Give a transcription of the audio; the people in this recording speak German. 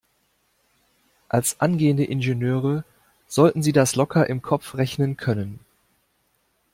Als angehende Ingenieure sollten Sie das locker im Kopf rechnen können.